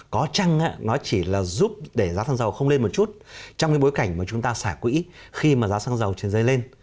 có chăng nó chỉ giúp giá xăng dầu không lên một chút trong bối cảnh chúng ta xả quỹ khi giá xăng dầu trên dây lên